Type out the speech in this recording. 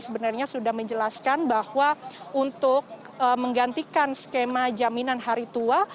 sebenarnya sudah menjelaskan bahwa untuk menggantikan skema jaminan hari tua